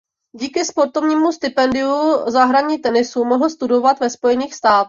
Díky sportovnímu stipendiu za hraní tenisu mohl studovat ve Spojených státech.